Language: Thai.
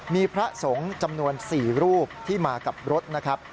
มีพระสงฆ์จำนวน๔รูปที่มากับรถนะครับ